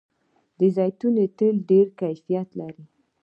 د زیتون تېل ډیر کیفیت لري.